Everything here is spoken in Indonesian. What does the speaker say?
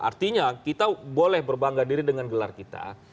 artinya kita boleh berbangga diri dengan gelar kita